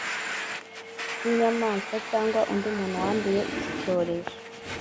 …) y’inyamaswa cyangwa undi muntu wanduye iki cyorezo